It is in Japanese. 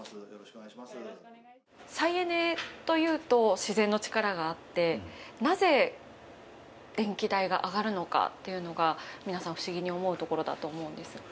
再エネというと、自然の力があってなぜ電気代が上がるのかというのが皆さん不思議に思うところだと思うんです。